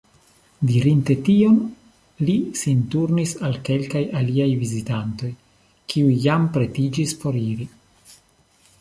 Dirinte tion, li sin turnis al kelkaj aliaj vizitantoj, kiuj jam pretiĝis foriri.